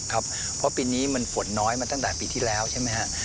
ครับเพราะปีนี้มันฝนน้อยมาตั้งแต่ปีที่แล้วใช่ไหมฮะ